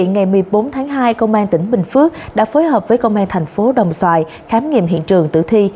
ngày một mươi bốn tháng hai công an tỉnh bình phước đã phối hợp với công an thành phố đồng xoài khám nghiệm hiện trường tử thi